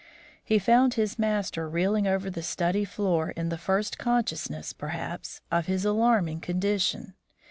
He found his master reeling over the study floor in the first consciousness, perhaps, of his alarming condition.